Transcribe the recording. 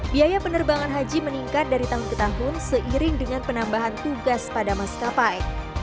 biaya penerbangan haji meningkat dari tahun ke tahun seiring dengan penambahan tugas pada maskapai